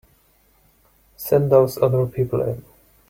Send those other people in.